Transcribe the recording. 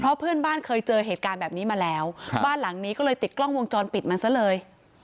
เพราะเพื่อนบ้านเคยเจอเหตุการณ์แบบนี้มาแล้วบ้านหลังนี้ก็เลยติดกล้องวงจรปิดมันซะเลย